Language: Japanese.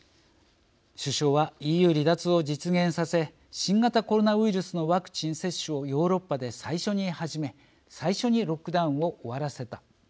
首相はＥＵ離脱を実現させ新型コロナウイルスのワクチン接種をヨーロッパで最初に始め最初にロックダウンを終わらせた。